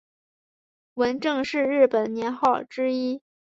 文正是日本年号之一。